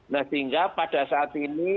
nah sehingga pada saat ini